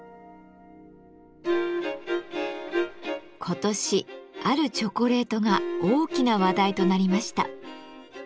今年あるチョコレートが大きな話題となりました。